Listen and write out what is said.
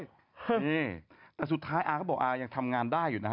นี่แต่สุดท้ายอาก็บอกอายังทำงานได้อยู่นะฮะ